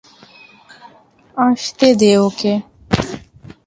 আসতে দে ওকে।